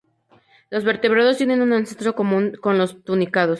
Los vertebrados tienen un ancestro común con los tunicados.